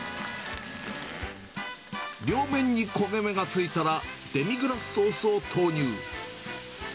両面に焦げ目がついたら、デミグラスソースを投入。